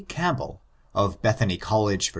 Campbell, of Bethany College, Va.